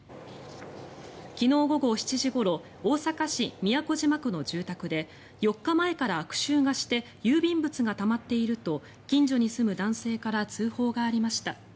昨日午後７時ごろ大阪市都島区の住宅で４日前から悪臭がして郵便物がたまっていると近所に住む男性から通報がありました。